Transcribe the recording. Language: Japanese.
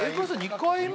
２回目？